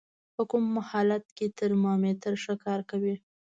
په کوم حالت کې ترمامتر ښه کار کوي؟